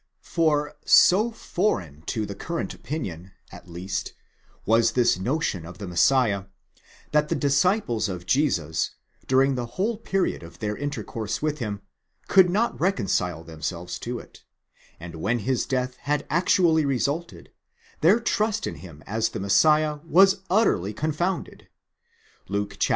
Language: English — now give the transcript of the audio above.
For so foreign to the current opinion, at least, was this notion of the Messiah, that the disciples of Jesus, during the whole period of their inter course with him, could not reconcile themselves to it; and when his death had actually resulted, their trust in him as the Messiah was utterly confounded (Luke xxiv.